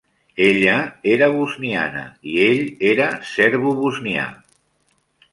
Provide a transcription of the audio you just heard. Ella era bosniana, i ell era serbobosnià.